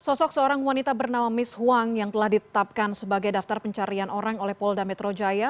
sosok seorang wanita bernama miss huang yang telah ditetapkan sebagai daftar pencarian orang oleh polda metro jaya